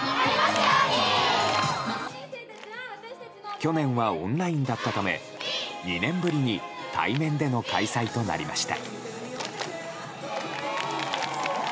去年はオンラインだったため２年ぶりに対面での開催となりました。